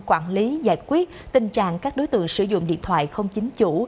quản lý giải quyết tình trạng các đối tượng sử dụng điện thoại không chính chủ